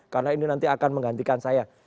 karena ini nanti akan menggantikan saya